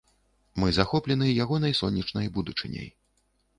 Мы захоплены ягонай сонечнай будучыняй.